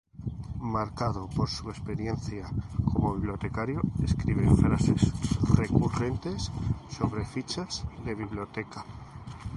Marcado por su larga experiencia como bibliotecario, escribe frases recurrentes sobre fichas de biblioteca.